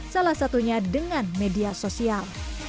salah satunya dengan media sosial